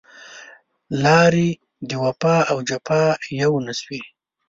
لارې د وفا او جفا يو نه شوې